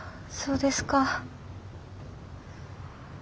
そうですか。